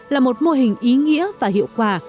là một mô hình ý nghĩa và hiệu quả